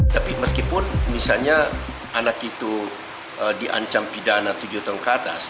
tapi meskipun misalnya anak itu diancam pidana tujuh tahun ke atas